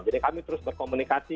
jadi kami terus berkomunikasi